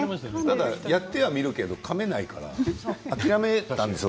ただやってはみるけどかめないから諦めたんですよ